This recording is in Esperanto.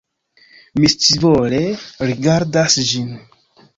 Mi scivole rigardas ĝin.